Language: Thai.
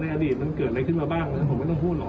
อดีตมันเกิดอะไรขึ้นมาบ้างผมไม่ต้องพูดหรอก